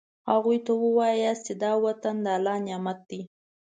هغوی ته ووایاست چې دا وطن د الله نعمت دی.